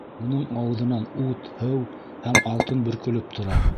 Уның ауыҙынан ут, һыу һәм алтын бөркөлөп тора.